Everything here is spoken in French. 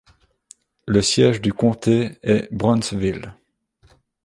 Le siège du comté est Brownsville.